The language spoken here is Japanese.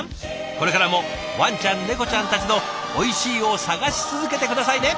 これからもワンちゃんネコちゃんたちの「おいしい」を探し続けて下さいね！